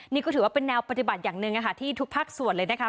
นี่ก็ถือว่าเป็นแนวปฏิบัติอย่างหนึ่งที่ทุกภาคส่วนเลยนะคะ